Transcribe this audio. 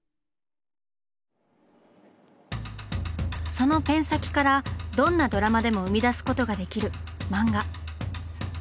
そのペン先からどんなドラマでも生み出すことができる「漫画」。